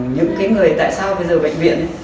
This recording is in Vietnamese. những cái người tại sao bây giờ bệnh viện